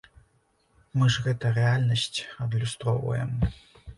Мы ж, гэта, рэальнасць адлюстроўваем.